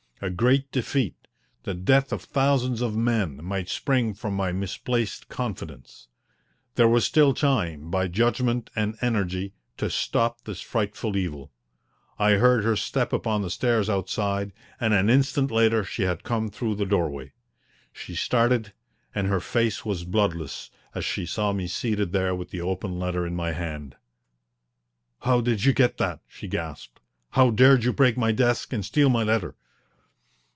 A great defeat, the death of thousands of men, might spring from my misplaced confidence. There was still time, by judgment and energy, to stop this frightful evil. I heard her step upon the stairs outside, and an instant later she had come through the doorway. She started, and her face was bloodless as she saw me seated there with the open letter in my hand. "How did you get that?" she gasped. "How dared you break my desk and steal my letter?"